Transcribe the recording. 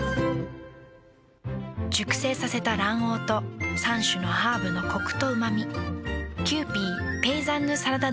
熟成させた卵黄と３種のハーブのコクとうま味。